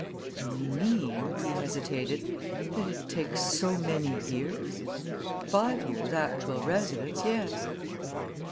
"You mean," he hesitated, "that it takes so many years " "Five years' actual residence yes."